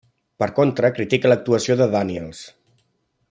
Per contra critica l'actuació de Daniels.